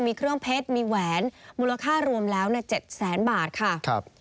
มีเครื่องเพชรมีแหวนมูลค่ารวมแล้ว๗แสนบาทค่ะ